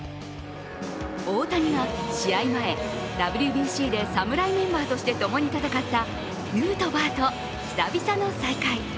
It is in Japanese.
大谷は試合前、ＷＢＣで侍メンバーとして共に戦ったヌートバーと久々の再会。